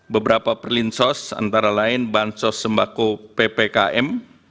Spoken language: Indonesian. beberapa perlinsos antara lain bansos sembako ppkm